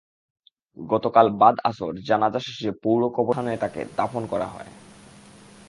গতকাল বাদ আসর জানাজা শেষে পৌর কবরস্থানে তাঁকে দাফন করা হয়।